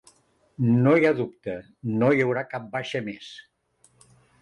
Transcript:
No hi ha dubte, no hi haurà cap baixa més.